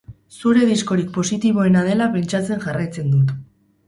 Zure diskorik positiboena dela pentsatzen jarraitzen dut.